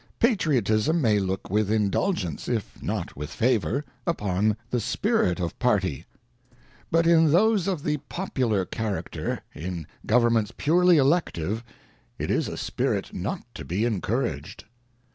Patriotism may look with indulgence, if not with favour, upon the spirit of party. ŌĆö But in those of the WASHINGTON'S FAREWELL ADDRESS popular character, in Governments purely elective, it is a spirit not to be encouraged.